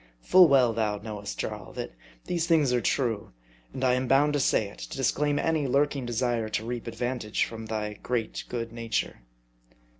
Full well thou knowest, Jarl, that these things are true ; and I am bound to say it, to disclaim any lurking desire to reap ad vantage from thy great good nature.